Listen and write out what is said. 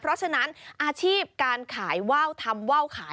เพราะฉะนั้นอาชีพการขายว่าวทำว่าวขาย